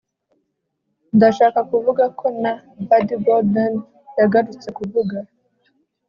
ndashaka kuvuga ko na buddy bolden yagarutse kuvuga